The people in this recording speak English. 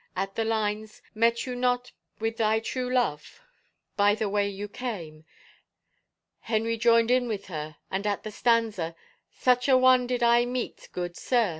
At the lines, " Met you not with my true love. By the 119 THE FAVOR OF KINGS way as you came?" Henry joined in with her, and at the stanza. Such a one did I meet, good sir.